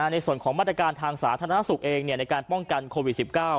ในส่วนของมาตรการทางสาธารณสุขเองในการป้องกันโควิด๑๙